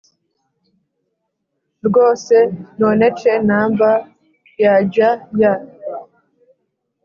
rwose nonece number yajya ya